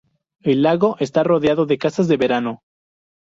El lago está rodeado de casas de verano.